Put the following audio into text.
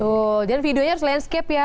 tuh jadi videonya harus landscape ya